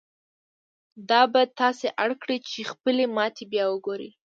دا به تاسې اړ کړي چې خپلې ماتې بيا وګورئ.